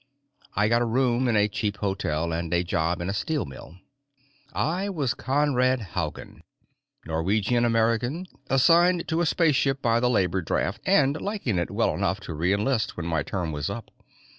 I got a room in a cheap hotel and a job in a steel mill. I was Conrad Haugen, Norwegian American, assigned to a spaceship by the labor draft and liking it well enough to re enlist when my term was up.